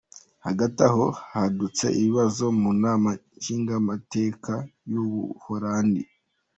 Hagati aho, hadutse ibibazo mu nama nshingamateka y'Ubuholandi.